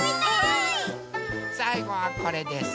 さいごはこれです。